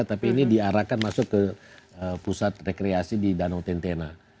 tapi ini diarahkan masuk ke pusat rekreasi di danau tentena